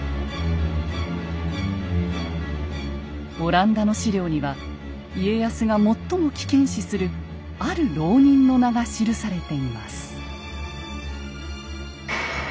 オランダの史料には家康が最も危険視するある牢人の名が記されています。